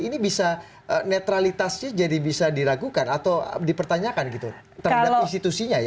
ini bisa netralitasnya jadi bisa diragukan atau dipertanyakan gitu terhadap institusinya ya